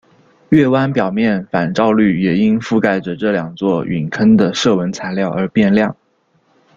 月湾表面反照率也因覆盖着这两座陨坑的射纹材料而变亮。